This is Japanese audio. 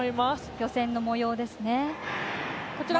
予選の模様です。